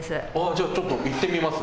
じゃあちょっと行ってみます。